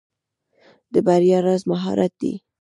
د بریا راز مهارت دی.